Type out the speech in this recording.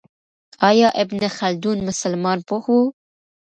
آیا ابن خلدون مسلمان پوه و؟